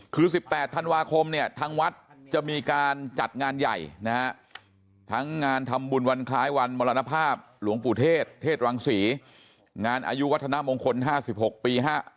คือจะให้คลังเลยไง